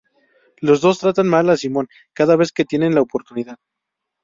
Los dos tratan mal a Simon cada vez que tienen la oportunidad.